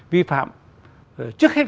vi phạm trước hết